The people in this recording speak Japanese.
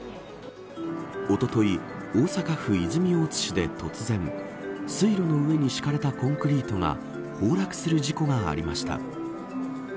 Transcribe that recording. おととい、大阪府泉大津市で突然水路の上に敷かれたコンクリートが崩落する事故がありました。